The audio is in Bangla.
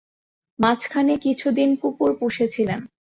মাঝখানে কিছুদিন কুকুর পুষেছিলেন।